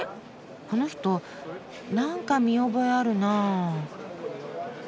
この人なんか見覚えあるなあ。